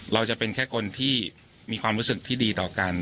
จะเป็นแค่คนที่มีความรู้สึกที่ดีต่อกัน